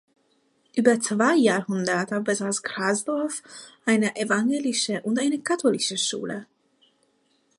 Über zwei Jahrhunderte besaß Grasdorf eine evangelische und eine katholische Schule.